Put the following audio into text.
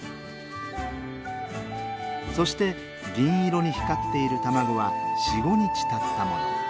そして銀色に光っている卵は４５日たったもの。